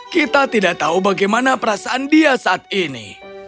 kita tidak tahu bagaimana perasaan dia saat ini